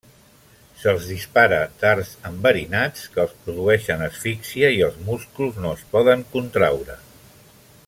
Se'ls dispara dards enverinats que els produeixen asfíxia i els músculs no es poden contraure.